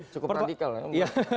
cukup radikal ya